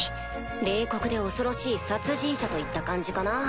冷酷で恐ろしい殺人者といった感じかな。